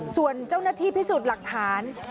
ส่วนเจ้าหน้าที่พิสูจน์หลักฐาน